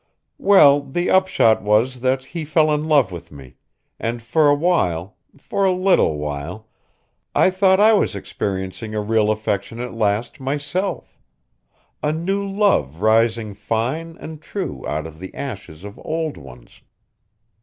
"Well, the upshot was that he fell in love with me, and for awhile for a little while I thought I was experiencing a real affection at last, myself; a new love rising fine and true out of the ashes of old ones.